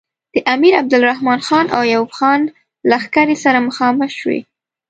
د امیر عبدالرحمن خان او ایوب خان لښکرې سره مخامخ شوې.